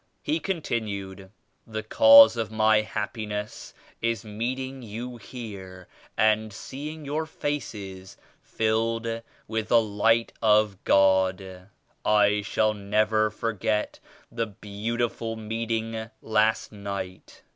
He continued : "The cause of my happi ness is meeting you here and seeing your faces filled with the Light of God. I shall never forget the beautiful meeting last night.